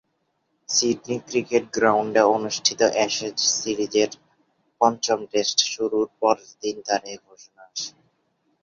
Sydney cricket গ্রাউন্ডে অনুষ্ঠিত Ashes সিরিজের পঞ্চম টেস্ট শুরুর পরেরদিন তার এ ঘোষণা আসে।